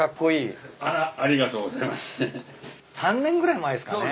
３年ぐらい前っすかね？